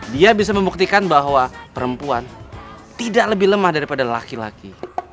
dia bisa membuktikan bahwa perempuan tidak lebih lemah daripada laki laki